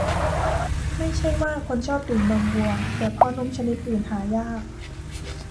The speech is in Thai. ไม่ใช่ว่าคนชอบดื่มนมวัว แต่เพราะนมชนิดอื่นหายาก